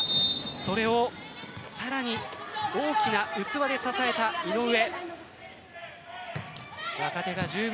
それをさらに大きな器で支えた井上。